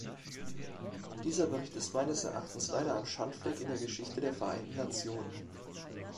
Dieser Bericht ist meines Erachtens leider ein Schandfleck in der Geschichte der Vereinten Nationen.